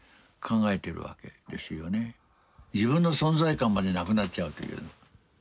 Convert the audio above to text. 自分の存在感までなくなっちゃうという。